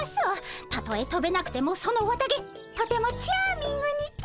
たとえとべなくてもその綿毛とてもチャーミングにて。